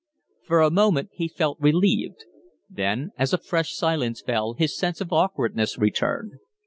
For a moment he felt relieved. Then, as a fresh silence fell, his sense of awkwardness returned.